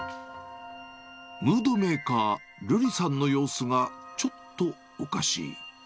ムードメーカー、瑠璃さんの様子がちょっとおかしい。